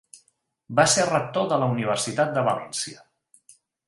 Va ser rector de la Universitat de València.